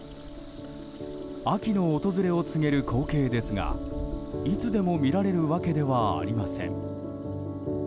秋の訪れを告げる光景ですがいつでも見られるわけではありません。